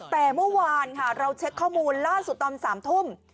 แต่เมื่อวานค่ะเราเช็คข้อมูลล่าสุดตอน๓ทุ่ม